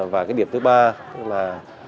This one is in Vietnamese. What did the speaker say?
và cái điểm thứ ba tức là